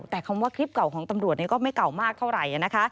แต่คำว่าคลิปเก่าของตำรวจก็ไม่เก่ามากเท่าไหร่นะคะ